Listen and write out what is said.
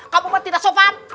kamu berdua tidak sopan